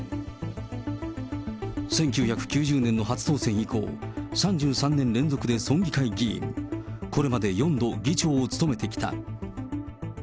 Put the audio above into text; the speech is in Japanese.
１９９０年の初当選以降、３３年連続で村議会議員、これまで４度、議長を務めてきた。